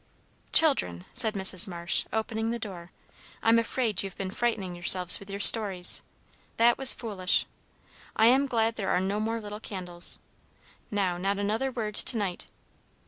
"Children," said Mrs. Marsh, opening the door, "I'm afraid you've been frightening yourselves with your stories. That was foolish. I am glad there are no more little candles. Now, not another word to night."